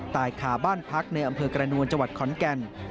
ใต้ขาบ้านพักในอำเภอกรณวลจวัดขอนแกน